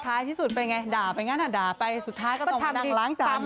ท้ายที่สุดตามไหนด่าก็เอาลังจาน